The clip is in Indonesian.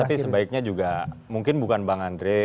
tapi sebaiknya juga mungkin bukan bang andre